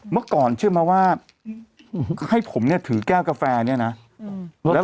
เมื่อก่อนเชื่อมาว่าให้ผมเนี้ยถือกแก้วกาแฟเนี้ยน่ะอืมแล้วก็